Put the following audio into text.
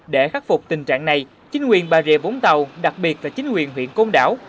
để khắc phục tình trạng này chính quyền bà rịa vũng tàu đặc biệt là chính quyền huyện côn đảo